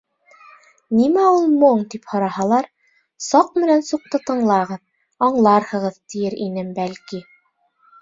Нимә ул моң тип һораһалар, Саҡ менән Суҡты тыңлағыҙ, аңларһығыҙ, тиер инем, бәлки.